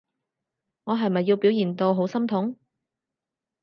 我係咪要表現到好心痛？